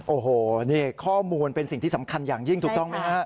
โอ้โหนี่ข้อมูลเป็นสิ่งที่สำคัญอย่างยิ่งถูกต้องไหมฮะ